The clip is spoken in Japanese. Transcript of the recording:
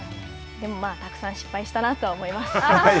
でもたくさん失敗したなとは思います。